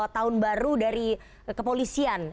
tahun baru dari kepolisian